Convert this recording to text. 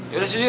yaudah siul yuk